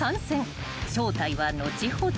［正体は後ほど］